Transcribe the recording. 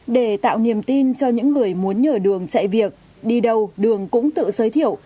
để tạo niềm tin cho những người muốn nhờ đường chạy việc đi đâu đường cũng tự giới thiệu